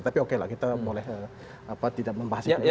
tapi oke lah kita boleh tidak membahas itu